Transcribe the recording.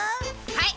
はい。